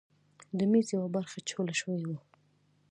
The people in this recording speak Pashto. د میز یوه برخه چوله شوې وه.